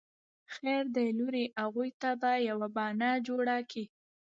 خير دی لورې اغوئ ته به يوه بانه جوړه کې.